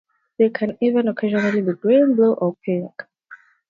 They can even, occasionally, be green, blue, or pink.